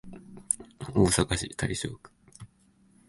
大阪市大正区